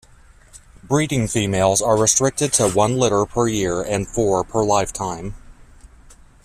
Breeding females are restricted to one litter per year and four per lifetime.